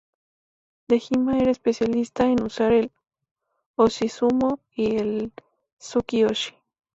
Dejima era especialista en usar el "oshi-sumo" y el "tsuki-oshi".